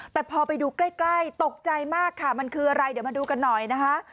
แต่พอไปดูใกล้ตกใจมากค่ะมันคืออะไรเดี๋ยวมาดูกันหน่อยนะคะ